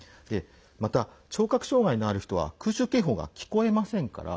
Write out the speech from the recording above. また、聴覚障害のある人は空襲警報が聞こえませんから